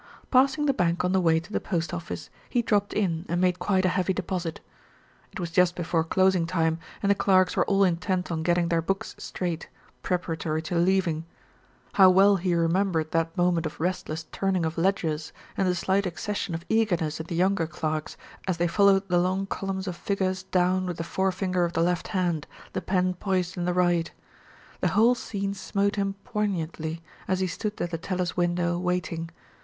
Passing the bank on the way to the post office, he dropped in and made quite a heavy deposit. It was just before closing time and the clerks were all intent on getting their books straight, preparatory to leaving. How well he remembered that moment of restless turning of ledgers and the slight accession of eagerness in the younger clerks, as they followed the long columns of figures down with the forefinger of the left hand the pen poised in the right. The whole scene smote him poignantly as he stood at the teller's window waiting.